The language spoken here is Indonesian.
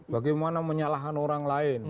bagaimana menyalahkan orang lain